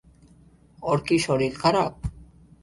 ওর কি শরীর খারাপ?